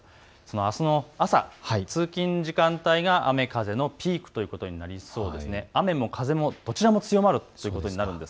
あすの朝、通勤時間帯が雨風のピークとなりそうです。